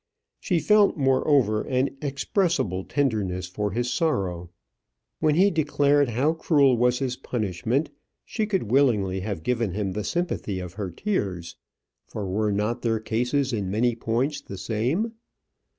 She felt, moreover, an expressible tenderness for his sorrow. When he declared how cruel was his punishment, she could willingly have given him the sympathy of her tears. For were not their cases in many points the same?